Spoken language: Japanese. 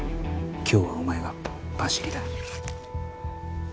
今日はお前がパシリだ。